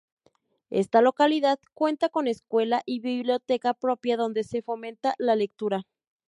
Esta localidad cuenta con escuela y biblioteca propia, donde se fomenta la lectura.